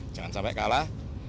jangan sampai kalah